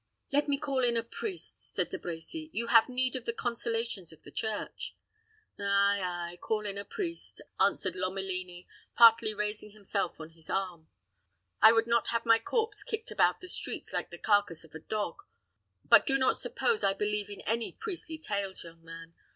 "Let me call in a priest," said De Brecy. "You have need of the consolations of the Church." "Ay, ay; call in a priest," answered Lomelini, partly raising himself on his arm. "I would not have my corpse kicked about the streets like the carcass of a dog; but do not suppose I believe in any priestly tales, young man.